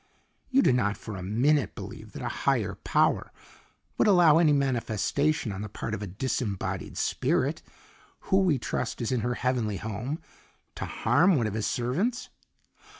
"You do not for a minute believe that a higher power would allow any manifestation on the part of a disembodied spirit who we trust is in her heavenly home to harm one of His servants?"